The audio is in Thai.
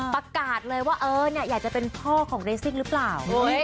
ประกาศเลยว่าเออเนี่ยอยากจะเป็นพ่อของเรซิ่งหรือเปล่า